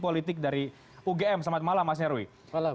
politik dari ugm selamat malam mas nyarwi